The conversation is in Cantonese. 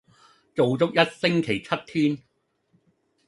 做足一星期七天